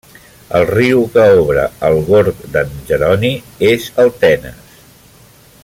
El riu que obre el Gorg d'en Jeroni és el Tenes.